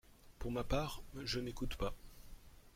-pour ma part, je n’écoute pas.